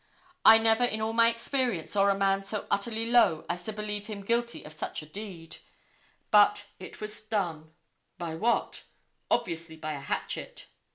I never in all my experience saw a man so utterly low as to believe him guilty of such a deed. But it was done. By what? Obviously by a hatchet.